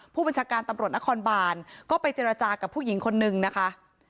ผู้บัญชาการตำรวจนครบานก็ไปเจรจากับผู้หญิงคนนึงนะคะ